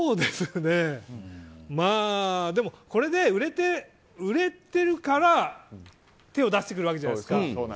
これで売れているから、手を出してくるわけじゃないですか。